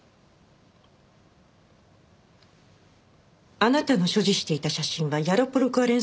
あなたの所持していた写真はヤロポロク・アレン